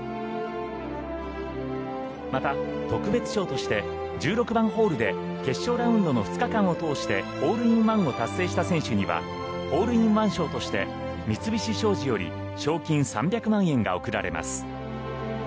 また、特別賞として１６番ホールで決勝ラウンドの２日間を通してホールインワンを達成した選手にはホールインワン賞として三菱商事より賞金３００万円が贈られます。